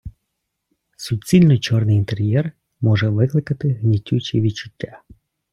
Суцільно чорний інтер'єр може викликати гнітючі відчуття.